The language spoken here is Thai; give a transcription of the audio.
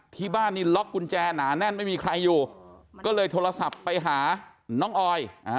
ที่บ้านนี่ล็อกกุญแจหนาแน่นไม่มีใครอยู่ก็เลยโทรศัพท์ไปหาน้องออย